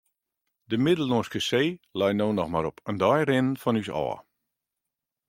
De Middellânske See lei no noch mar op in dei rinnen fan ús ôf.